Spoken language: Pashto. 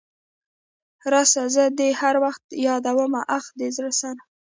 راسه زه دي هر وخت يادومه اخ د زړه سره .